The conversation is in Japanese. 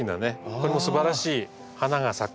これもすばらしい花が咲く